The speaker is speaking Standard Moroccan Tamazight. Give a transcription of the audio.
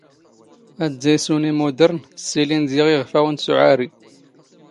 ⴰⴷⴷⴰⵢ ⵙⵓⵏ ⵉⵎⵓⴷⵔⵏ, ⵙⵙⵉⵍⵉⵏ ⴷⵉⵖ ⵉⵖⴼⴰⵡⵏ ⵙ ⵓⵄⴰⵔⵉ.